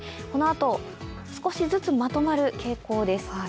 このあと少しずつまとまる傾向です。